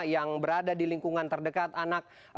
yang berada di lingkungan terdekat anak